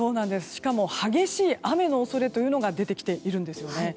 しかも激しい雨の恐れが出てきているんですよね。